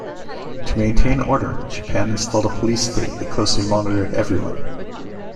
To maintain order, Japan installed a police state that closely monitored everyone.